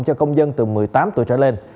cho công dân từ một mươi tám tuổi trở lên